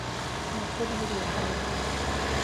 މައްސަލަ ހުރީ އަހަރެންގެ